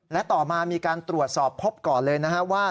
และต่อมามีการตรวจสอบพบก่อนเลยนะฮะว่า